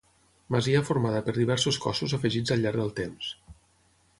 Masia formada per diversos cossos afegits al llarg del temps.